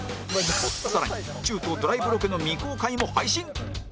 更にチュートドライブロケの未公開も配信